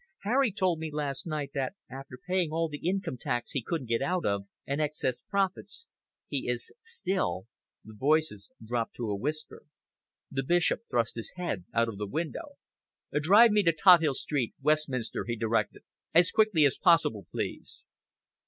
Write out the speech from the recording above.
Harry told me last night that after paying all the income tax he couldn't get out of, and excess profits; he is still " The voices dropped to a whisper. The Bishop thrust his head out of the window. "Drive me to Tothill Street, Westminster," he directed. "As quickly as possible, please."